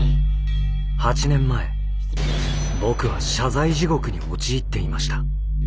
８年前僕は謝罪地獄に陥っていました。